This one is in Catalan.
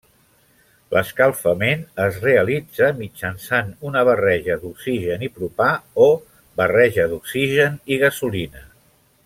L'escalfament es realitza mitjançant una barreja d'oxigen i propà, o barreja d'oxigen i gasolina.